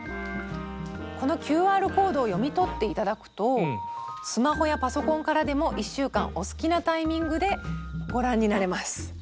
このＱＲコードを読み取って頂くとスマホやパソコンからでも１週間お好きなタイミングでご覧になれます。